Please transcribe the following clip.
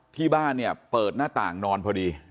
ที่บ้านปิดหน้าต่างนอนพอดี